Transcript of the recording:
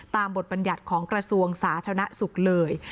บทบรรยัติของกระทรวงสาธารณสุขเลย